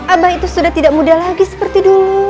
abah itu sudah tidak muda lagi seperti dulu